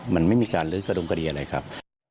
มันไม่มีการลื้อกระดงคดีอะไรครับ